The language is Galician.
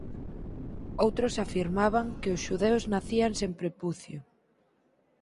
Outros afirmaban que os xudeus nacían sen prepucio.